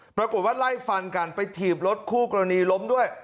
ปรากฏว่าไล่ฟันกันไปถีบรถคู่กรณีล้มด้วย